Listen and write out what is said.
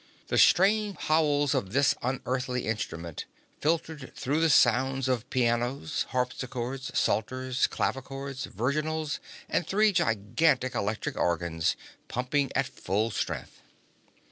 The strange howls of this unearthly instrument filtered through the sound of pianos, harpsichords, psalters, clavichords, virginals and three gigantic electric organs pumping at full strength.